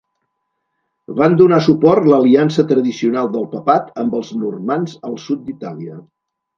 Van donar suport l'aliança tradicional del papat amb els normands al sud d'Itàlia.